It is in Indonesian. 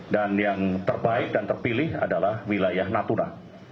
dan yang terbaik dan terpilih adalah wilayah natuna